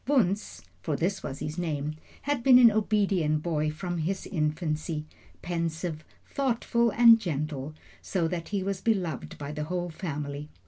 Wunzh, for this was his name, had been an obedient boy from his infancy pensive, thoughtful, and gentle so that he was beloved by the whole family.